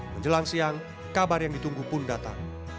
menjelang siang kabar yang ditunggu pun datang